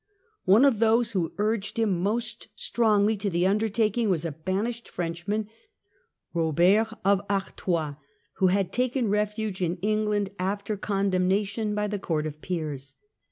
One of those who urged him most influence strongly to the undertaking was a banished Frenchman, of ArtoTs Robert of Artois, who had taken refuge in England after condemnation by the Court of Peers.